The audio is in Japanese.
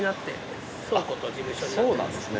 そうなんですね。